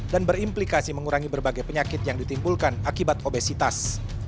dan berimplikasi mengurangi berbagai penyakit yang ditimbulkan akibat obesitas